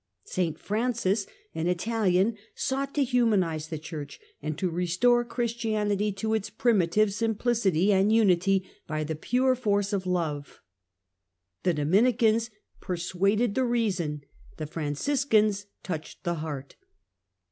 St Francis, an Italian, sought to humanize the Church, and to restore Christianity to its primitive simplicity and unity by the pure force of love. The Dominicans persuaded the reason, the Franciscans touched the heart.